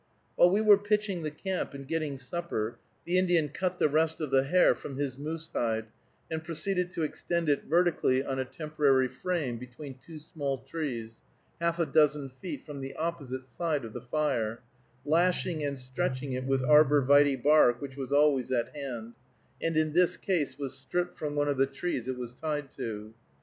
While we were pitching the camp and getting supper, the Indian cut the rest of the hair from his moose hide, and proceeded to extend it vertically on a temporary frame between two small trees, half a dozen feet from the opposite side of the fire, lashing and stretching it with arbor vitæ bark which was always at hand, and in this case was stripped from one of the trees it was tied to.